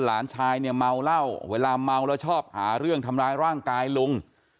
หลานชายเนี่ยเมาเหล้าเวลาเมาแล้วชอบหาเรื่องทำร้ายร่างกายลุง